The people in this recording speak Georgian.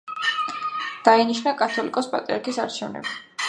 დაინიშნა კათოლიკოს-პატრიარქის არჩევნები.